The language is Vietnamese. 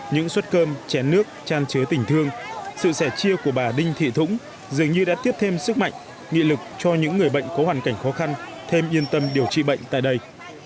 những suất cơm chén nước tràn chứa tình thương sự sẻ chia của bà đinh thị thũng dường như đã tiếp thêm sức mạnh nghị lực cho những người bệnh có hoàn cảnh khó khăn thêm yên tâm điều trị bệnh tại đây